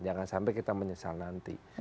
jangan sampai kita menyesal nanti